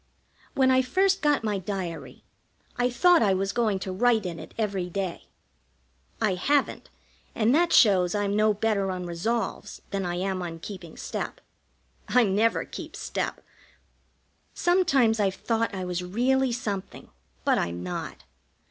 When I first got my diary I thought I was going to write in it every day. I haven't, and that shows I'm no better on resolves than I am on keeping step. I never keep step. Sometimes I've thought I was really something, but I'm not.